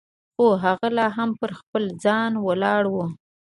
خو هغه لا هم پر خپل ځای ولاړه وه.